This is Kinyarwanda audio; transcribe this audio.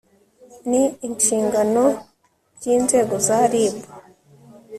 n inshingano by inzego za reb